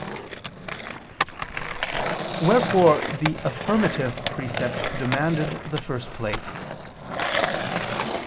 Wherefore the affirmative precept demanded the first place.